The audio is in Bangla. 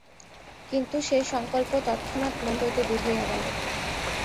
কিন্তু সে সঙ্কল্প তৎক্ষণাৎ মন হইতে দূর হইয়া গেল।